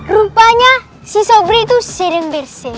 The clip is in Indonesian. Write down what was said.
rupanya si sobri tuh sedang bersih